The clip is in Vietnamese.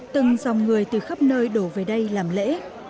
từng dòng người từ khắp nơi đổ về đây làm lễ